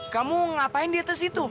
kamu ngapain di atas itu